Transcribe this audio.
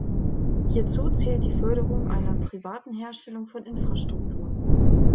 Hierzu zählt die Förderung einer privaten Herstellung von Infrastruktur.